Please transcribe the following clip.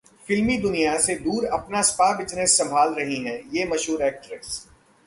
फिल्मी दुनिया से दूर अपना स्पा बिजनेस संभाल रही हैं ये मशहूर एक्ट्रेस